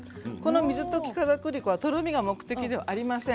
水溶きかたくり粉はとろみが目的ではありません。